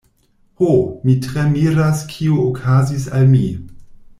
Ho, mi tre miras kio okazis al mi.